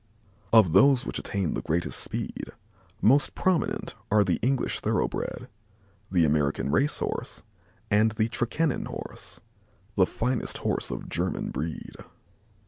Of those which attain the greatest speed, most prominent are the English thoroughbred, the American race horse, and the Trakehnen Horse, the finest Horse of German breed.